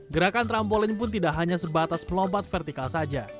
gerakan trampolin pun tidak hanya sebatas melompat vertikal saja